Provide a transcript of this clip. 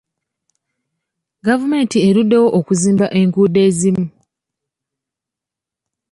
Gavumenti eruddewo okuzimba enguudo ezimu.